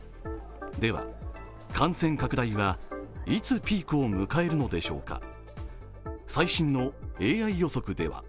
では、感染拡大はいつピークを迎えるのでしょうか。